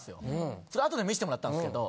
それ後で見してもらったんですけど。